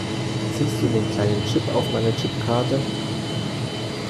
Siehst du den kleinen Chip auf meiner Chipkarte?